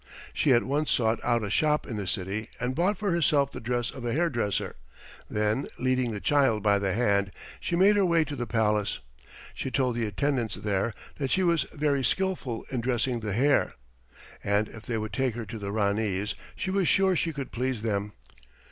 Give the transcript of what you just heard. She at once sought out a shop in the city and bought for herself the dress of a hairdresser; then, leading the child by the hand she made her way to the palace. She told the attendants there that she was very skillful in dressing the hair, and if they would take her to the Ranees she was sure she could please them.